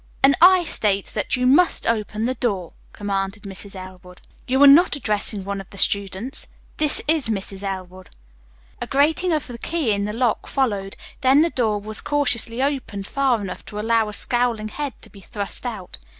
"And I state that you must open the door," commanded Mrs. Elwood. "You are not addressing one of the students. This is Mrs. Elwood." A grating of the key in the lock followed, then the door was cautiously opened far enough to allow a scowling head to be thrust out.